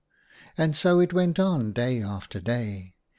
And so it went on day after day.